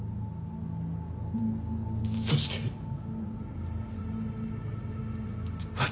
そして私も。